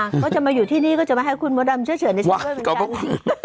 เขาจะมาอยู่ที่นี่ก็จะมาให้คุณมดดำเฉยในช่วยเหมือนกัน